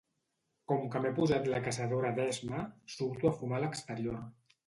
Com que m'he posat la caçadora d'esma, surto a fumar a l'exterior.